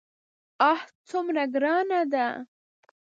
آه څومره ګرانه ده.